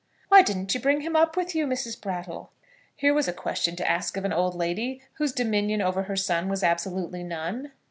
"Why didn't you bring him up with you, Mrs. Brattle?" Here was a question to ask of an old lady, whose dominion over her son was absolutely none!